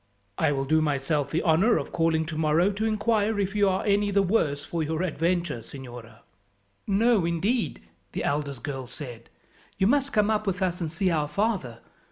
"I will do myself the honour of calling tomorrow to inquire if you are any the worse for your adventure, signora." "No, indeed," the eldest girl said. "You must come up with us and see our father.